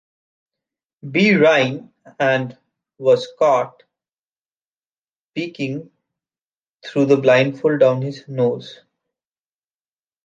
B. Rhine and was caught peeking through the blindfold down his nose.